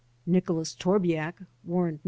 Nicholas Torbiak. (Warrant No.